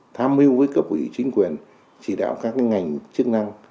tham mưu với cấp ủy chính quyền chỉ đạo các ngành chức năng